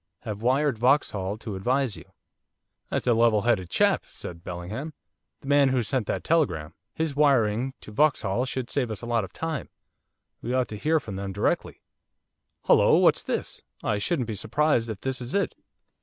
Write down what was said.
Have wired Vauxhall to advise you.' 'That's a level headed chap,' said Bellingham. 'The man who sent that telegram. His wiring to Vauxhall should save us a lot of time, we ought to hear from there directly. Hollo! what's this? I shouldn't be surprised if this is it.